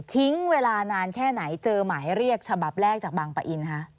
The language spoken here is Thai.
ทิ้งเวลานานแค่ไหนเจอหมายเรียกฉบับแรกจากบางปะอินคะ